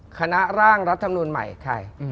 คณะร่างรัฐมนุนใหม่ใคร